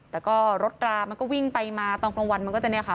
แต่ก็รถรามันก็วิ่งไปมาตอนกลางวันมันก็จะเนี่ยค่ะ